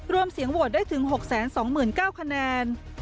รวมเสียงโหวตได้ถึง๖๒๙๐๐คะแนน